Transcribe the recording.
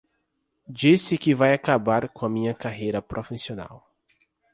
Disse que vai acabar com a minha carreira profissional